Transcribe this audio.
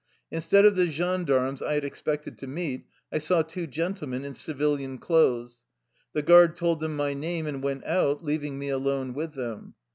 Instead of the gendarmes I had expected to meet, I saw two gentlemen in civilian clothes. The guard told them my name and went out, leaving me alone with them.